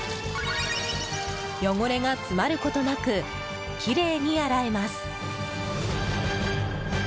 汚れが詰まることなくきれいに洗えます。